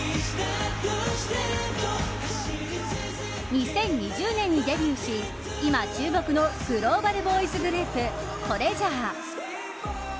２０２０年にデビューし今、注目のグローバルボーイズグループＴＲＥＡＳＵＲＥ。